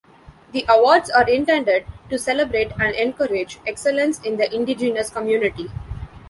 The awards are intended to celebrate and encourage excellence in the Indigenous community.